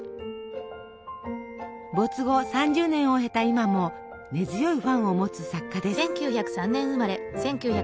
没後３０年を経た今も根強いファンをもつ作家です。